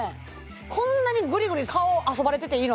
こんなにグリグリ顔遊ばれてていいの？